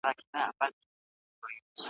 که تاسو حق نه ورکوئ، عدالت به له منځه ولاړ سي.